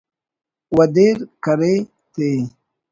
و دیر کرے تے